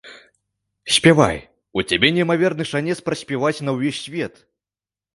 Спявай, у цябе неймаверны шанец праспяваць на ўвесь свет!